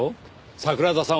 桜田さん